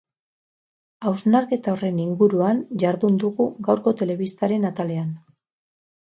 Hausnarketa horren inguruan jardun dugu gaurko telebistaren atalean.